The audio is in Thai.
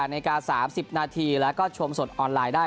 นาที๓๐นาทีแล้วก็ชมสดออนไลน์ได้